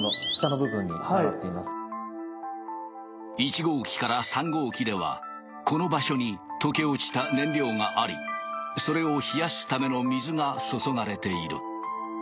１号機から３号機ではこの場所に溶け落ちた燃料がありそれを冷やすための水が注がれている。